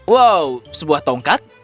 wow sebuah tongkat